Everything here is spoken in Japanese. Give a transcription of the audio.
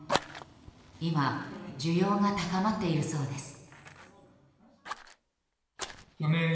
今、需要が高まっているそうです。